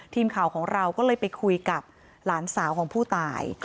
ทีมข่าวของเราก็เลยไปคุยกับหลานสาวของผู้ตาย